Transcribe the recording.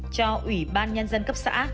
cho ủy ban nhân dân cấp xã